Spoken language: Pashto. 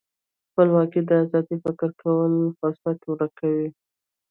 خپلواکي د ازاد فکر کولو فرصت ورکوي.